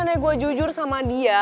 karena gue jujur sama dia